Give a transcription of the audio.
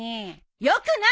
よくない！